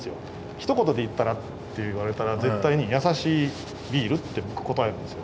「ひと言で言ったら？」って言われたら絶対に「優しいビール」って僕答えるんですよ。